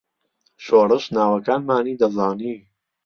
شۆڕش ناوەکانمانی دەزانی.